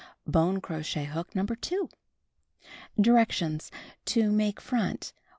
Bone crochet hook, No. 2. Directions : To Make Front: 1.